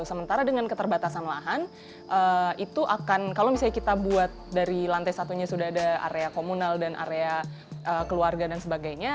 sementara dengan keterbatasan lahan itu akan kalau misalnya kita buat dari lantai satunya sudah ada area komunal dan area keluarga dan sebagainya